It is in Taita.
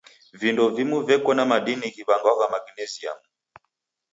Vindo vingi veko na madini ghiw'angwagha magnesiamu.